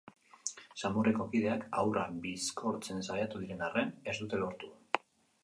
Samurreko kideak haurra bizkortzen saiatu diren arren, ez dute lortu.